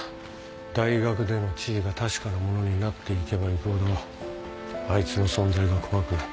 大学での地位が確かなものになっていけばいくほどあいつの存在が怖くなった。